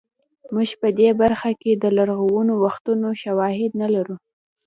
موږ په دې برخه کې د لرغونو وختونو شواهد نه لرو